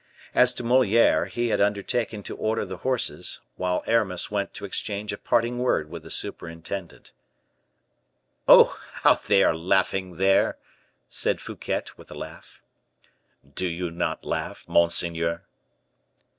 As to Moliere, he had undertaken to order the horses, while Aramis went to exchange a parting word with the superintendent. "Oh, how they are laughing there!" said Fouquet, with a sigh. "Do you not laugh, monseigneur?"